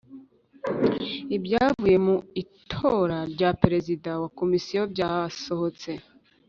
Ibyavuye mu itora rya Perezida wa komisiyo byasohotse